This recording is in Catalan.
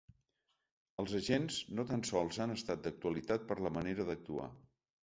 Els agents no tan sols han estat d’actualitat per la manera d’actuar.